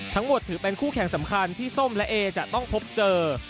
ทั้งหมดถือเป็นคู่แข่งสำคัญที่ส้มและเอจะต้องพบเจอ